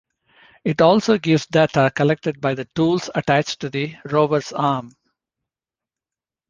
It also gives data collected by the tools attached to the rovers arm.